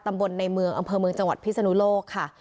ตำบลในเมืองอำเภอเมืองจังหวัดพิศนุโลกค่ะ